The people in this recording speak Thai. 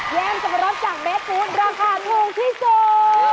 เยมจับรถจากเบสฟู้ดราคาถูกที่สุด